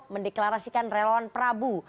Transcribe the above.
mendeklarasikan relawan prabu